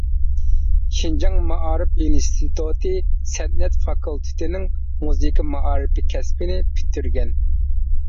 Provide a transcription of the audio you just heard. شىنجاڭ مائارىپ ئىنستىتۇتى سەنئەت فاكۇلتېتىنىڭ مۇزىكا مائارىپى كەسپىنى پۈتتۈرگەن.